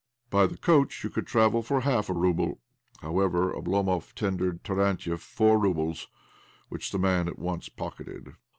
"By the coach you could travel for half a rouble." However, Oblomov tendered Tarantiev four roubles, which the man at once pocketed.